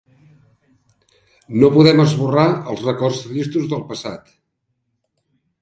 No podem esborrar els records tristos del passat.